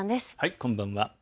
こんばんは。